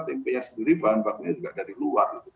tempenya sendiri bahan bakunya juga dari luar